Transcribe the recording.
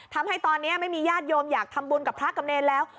ทำให้ตอนนี้ไม่มีญาติโยมอยากทำบุญกับพระกับเนรแล้ว